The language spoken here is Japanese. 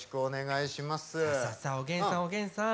さあさあさあおげんさんおげんさん。